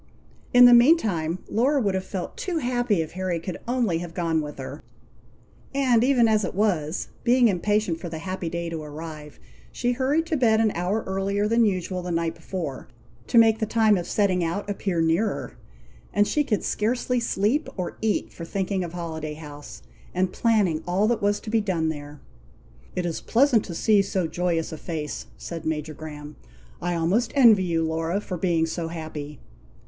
In the meantime, Laura would have felt too happy if Harry could only have gone with her; and even as it was, being impatient for the happy day to arrive, she hurried to bed an hour earlier than usual the night before, to make the time of setting out appear nearer; and she could scarcely sleep or eat for thinking of Holiday House, and planning all that was to be done there. "It is pleasant to see so joyous a face," said Major Graham. "I almost envy you, Laura, for being so happy."